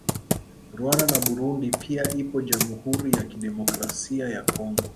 Rwanda na Burundi pia ipo Jamhuri Ya Kidemokrasia ya Congo